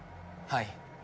はい。